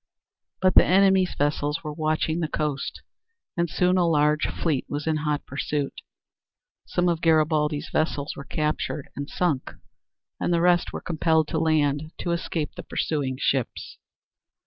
But the enemy's vessels were watching the coast, and soon a large fleet was in hot pursuit. Some of Garibaldi's vessels were captured and sunk and the rest were compelled to land to escape the pursuing ships.